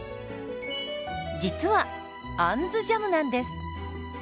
実は「あんずジャム」なんです。